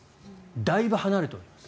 だいぶ離れております。